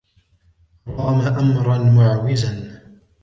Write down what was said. رَامَ أَمْرًا مُعْوِزًا